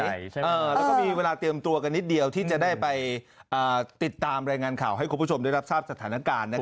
แล้วก็มีเวลาเตรียมตัวกันนิดเดียวที่จะได้ไปติดตามรายงานข่าวให้คุณผู้ชมได้รับทราบสถานการณ์